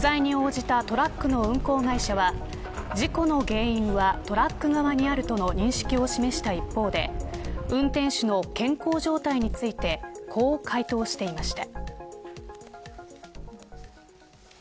翌日、取材に応じたトラックの運行会社は事故の原因はトラック側にあるとの認識を示した一方で運転手の健康状態についてこう回答していました。